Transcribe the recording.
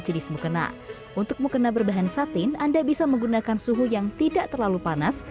jenis mukena untuk mukena berbahan satin anda bisa menggunakan suhu yang tidak terlalu panas